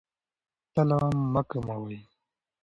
تله مه کموئ.